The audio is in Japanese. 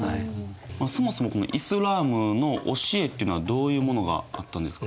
そもそもイスラームの教えっていうのはどういうものがあったんですか？